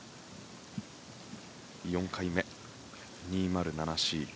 ４回目、２０７Ｃ。